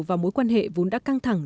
vào mối quan hệ vốn đã căng thẳng